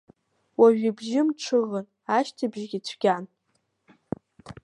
Уажәы ибжьы мҽыӷын, ашьҭыбжьгьы цәгьан.